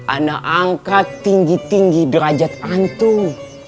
ana angkat tinggi tinggi derajat antum